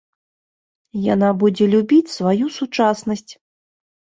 Яна будзе любіць сваю сучаснасць.